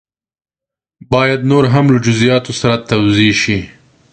باید نور هم له جزیاتو سره توضیح شي.